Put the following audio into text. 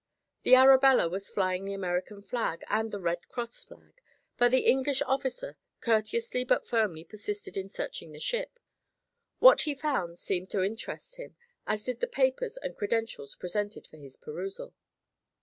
The Arabella was flying the American flag and the Red Cross flag, but the English officer courteously but firmly persisted in searching the ship. What he found seemed to interest him, as did the papers and credentials presented for his perusal.